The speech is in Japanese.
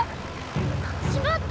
しまった！